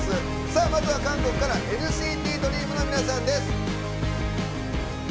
まずは韓国からＮＣＴＤＲＥＡＭの皆さんです。